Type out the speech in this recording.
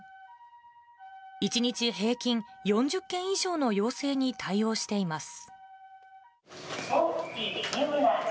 １日平均４０件以上の要請に対応しています。